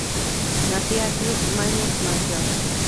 Nacía así Maniac Mansion.